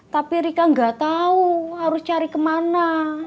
tapi rika nggak tahu harus cari ke mana